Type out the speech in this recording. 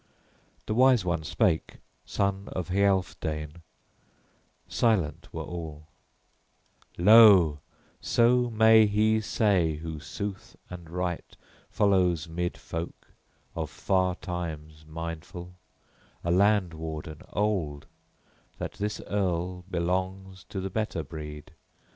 The wise one spake, son of Healfdene; silent were all: "Lo, so may he say who sooth and right follows 'mid folk, of far times mindful, a land warden old, {24a} that this earl belongs to the better breed!